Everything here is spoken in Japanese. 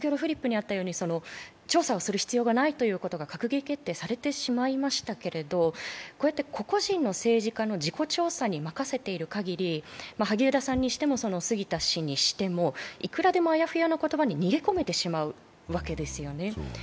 調査をする必要がないということが閣議決定されてしまいましたけれどもこれって個々人の政治家の自己調査に任せているかぎり萩生田さんにしても杉田氏にしてもいくらでもあやふやな言葉に逃げ込めてしまうわけですよね。